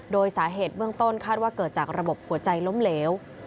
โดยสาเหตุเบื้องต้นคาดว่าเกิดจากระบบหัวใจล้มเหลว